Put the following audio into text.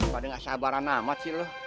pada gak sabaran amat sih lu